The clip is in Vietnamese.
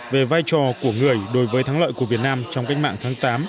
về vai trò của người đối với thắng lợi của việt nam trong cách mạng tháng tám